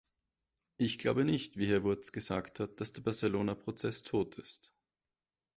Ich glaube nicht, wie Herr Wurtz gesagt hat, dass der Barcelona-Prozess tot ist.